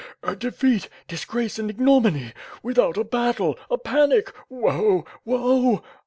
"A defeat, disgrace and ignoxoiny! Without a battle. .. a panic! Woe! Woe!"